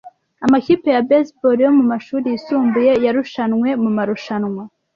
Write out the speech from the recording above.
Amakipe ya baseball yo mumashuri yisumbuye yarushanwe mumarushanwa